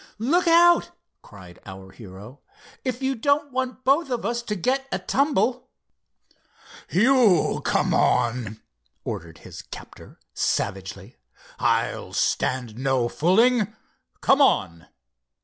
"Look out!" cried our hero, "if you don't want both of us to get a tumble." "You come on," ordered his captor, savagely. "I'll stand no fooling. Come—on!"